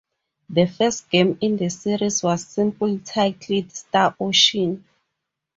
The first game in the series was simply titled Star Ocean.